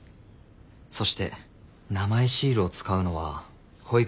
そして名前シールを使うのは保育園に入園する家庭。